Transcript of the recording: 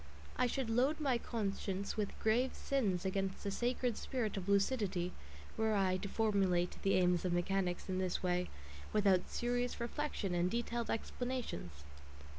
I should load my conscience with grave sins against the sacred spirit of lucidity were I to formulate the aims of mechanics in this way, without serious reflection and detailed explanations.